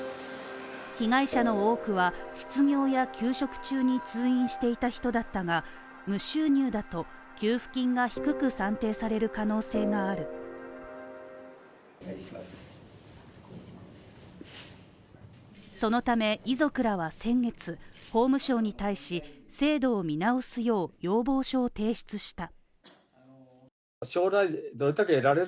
被害者の多くは失業や休職中に通院していた人だったが無収入だと給付金が低く算定される可能性があるそのため、遺族らは先月、法務省に対し制度を見直すよう要望書を提出した。